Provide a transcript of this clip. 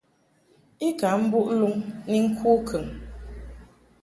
I ka mbuʼ luŋ ni ŋku kəŋ.